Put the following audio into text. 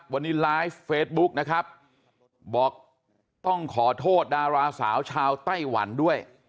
วันนี้ไลฟ์เฟซบุ๊กนะครับบอกต้องขอโทษดาราสาวชาวไต้หวันด้วย